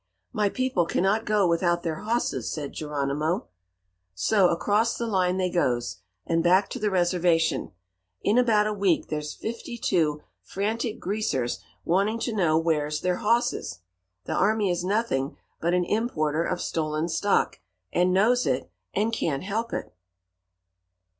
"'My people cannot go without their hosses,' says Geronimo. "So, across the line they goes, and back to the reservation. In about a week there's fifty two frantic Greasers wanting to know where's their hosses. The army is nothing but an importer of stolen stock, and knows it, and can't help it.